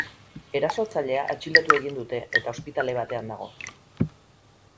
Erasotzailea atxilotu egin dute eta ospitale batean dago.